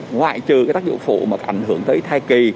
ngoại trừ cái tác dụng phụ mà có ảnh hưởng tới thai kỳ